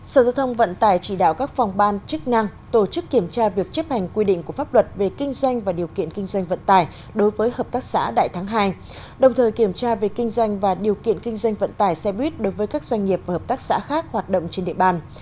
sở giao thông vận tải chỉ đạo các phòng ban chức năng tổ chức kiểm tra việc chấp hành quy định của pháp luật về kinh doanh và điều kiện kinh doanh vận tải đối với hợp tác xã đại tháng hai đồng thời kiểm tra về kinh doanh và điều kiện kinh doanh vận tải xe buýt đối với các doanh nghiệp và hợp tác xã khác hoạt động trên địa bàn